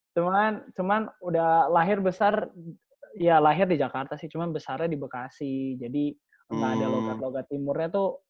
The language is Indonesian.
cuman cuma udah lahir besar ya lahir di jakarta sih cuma besarnya di bekasi jadi nggak ada logat logat timurnya tuh